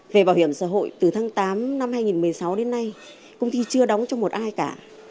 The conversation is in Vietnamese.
về bảo hiểm xã hội từ tháng tám năm hai nghìn một mươi sáu đến nay công ty chưa đóng cho một ai cả